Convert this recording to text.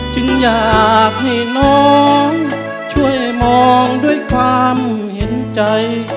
จึงอยากให้น้องช่วยมองด้วยความเห็นใจ